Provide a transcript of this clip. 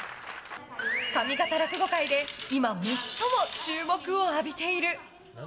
上方落語界で今、最も注目を浴びている。